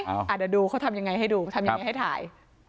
เดี๋ยวดูเขาทำยังไงให้ดูทำยังไงให้ถ่าย